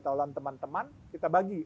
taulan teman teman kita bagi